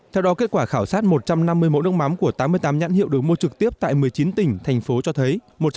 theo đó kết quả khảo sát một trăm năm mươi mẫu nước mắm của tám mươi tám nhãn hiệu được mua trực tiếp tại một mươi chín tỉnh thành phố cho thấy